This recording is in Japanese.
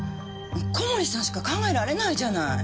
小森さんしか考えられないじゃない。